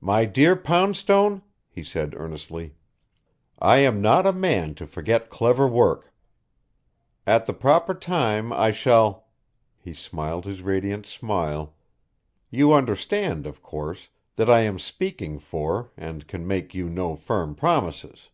"My dear Poundstone," he said earnestly, "I am not a man to forget clever work. At the proper time I shall " He smiled his radiant smile. "You understand, of course, that I am speaking for and can make you no firm promises.